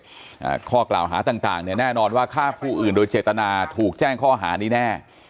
เจ็บข้อกล่าวหาต่างแน่นอนว่าฆ่าผู้อื่นโดยเจตนาถูกแจ้งข้อหานี้แน่